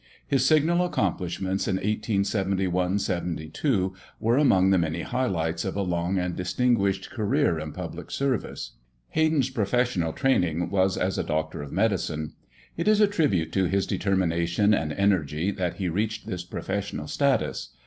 His signal accomplishments, in 1871 72, were among the many highlights of a long and distinguished career in public service. Hayden's professional training was as a doctor of medicine. It is a tribute to his determination and energy that he reached this professional status.